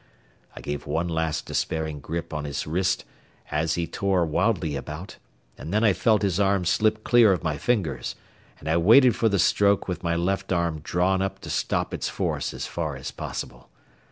I gave one last despairing grip on his wrist as he tore wildly about, and then I felt his arm slip clear of my fingers, and I waited for the stroke with my left arm drawn up to stop its force as far as possible.